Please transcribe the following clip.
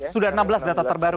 sudah enam belas data terbaru